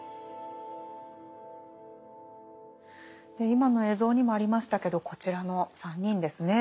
今の映像にもありましたけどこちらの３人ですね。